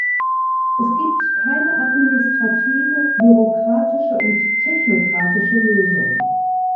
Es gibt keine administrative, bürokratische und technokratische Lösung.